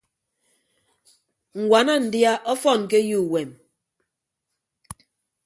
Ññwana ndia ọfọn ke eyo uwem.